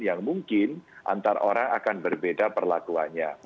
yang mungkin antar orang akan berbeda perlakuannya